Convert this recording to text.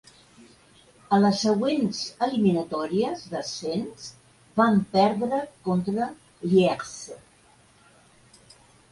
A les següents eliminatòries d'ascens van perdre contra Lierse.